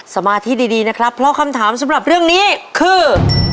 สมาธิดีนะครับเพราะคำถามสำหรับเรื่องนี้คือ